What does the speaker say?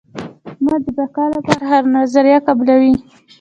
حکومت د بقا لپاره هره نظریه قبلوي.